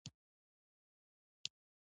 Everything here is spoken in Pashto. غږ يې کړ وه جلۍ سختي پرېدئ.